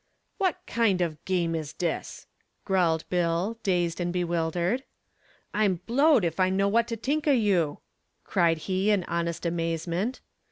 "What kind of game is dis?" growled Bill, dazed and bewildered. "I'm blowed if I know w'at to t'ink o' you," cried he in honest amazement.